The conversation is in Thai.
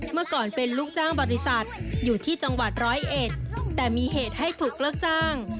เมื่อก่อนเป็นลูกจ้างบริษัทอยู่ที่จังหวัดร้อยเอ็ดแต่มีเหตุให้ถูกเลิกจ้าง